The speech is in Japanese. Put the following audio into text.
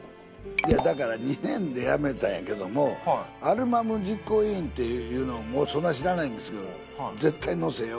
いやだから２年でやめたんやけどもアルバム実行委員っていうのそんな知らないんですけど「絶対載せよ」